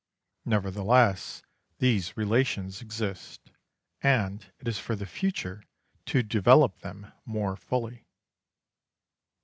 Nevertheless, these relations exist, and it is for the future to develop them more fully.